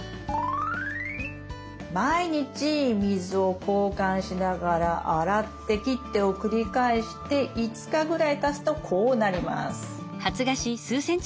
毎日水を交換しながら洗って切ってを繰り返して５日ぐらいたつとこうなります。